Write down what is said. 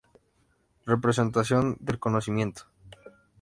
Representación del conocimiento.